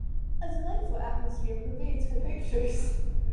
A delightful atmosphere pervades her pictures.